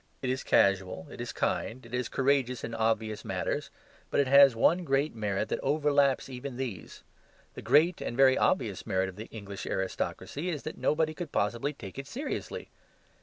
It is casual, it is kind, it is courageous in obvious matters; but it has one great merit that overlaps even these. The great and very obvious merit of the English aristocracy is that nobody could possibly take it seriously.